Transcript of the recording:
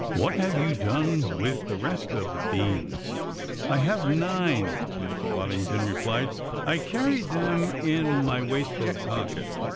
What have you done with the rest of the beans?" "I have nine," Mr. Waddington replied. "I carry them in my waistcoat pocket.